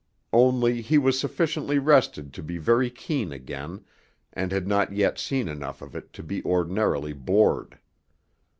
Only he was sufficiently rested to be very keen again, and had not yet seen enough of it to be ordinarily bored.